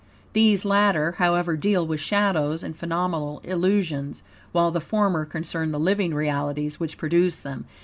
These latter, however, deal with shadows and phenomenal illusions, while the former concern the living realities, which produce them.